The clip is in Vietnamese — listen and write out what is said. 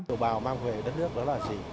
kiểu bào mang về đất nước đó là gì